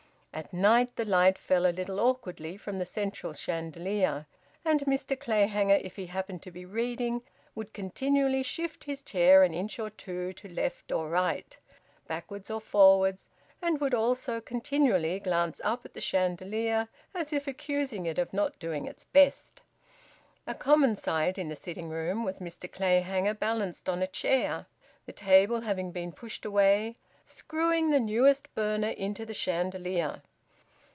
At night the light fell a little awkwardly from the central chandelier, and Mr Clayhanger, if he happened to be reading, would continually shift his chair an inch or two to left or right, backwards or forwards, and would also continually glance up at the chandelier, as if accusing it of not doing its best. A common sight in the sitting room was Mr Clayhanger balanced on a chair, the table having been pushed away, screwing the newest burner into the chandelier.